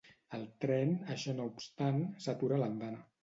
El tren, això no obstant, s'atura a l'andana.